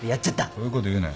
そういうこと言うなよ。